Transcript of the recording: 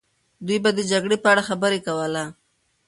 دوی به د جګړې په اړه خبرې کوله.